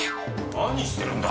何してるんだ？